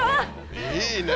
いいね。